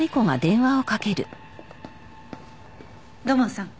土門さん。